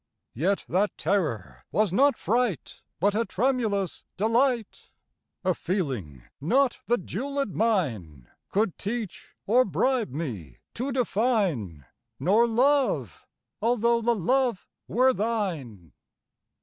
Yet that terror was not fright, But a tremulous delight— A feeling not the jewelled mine Could teach or bribe me to define— Nor Love—although the Love were thine.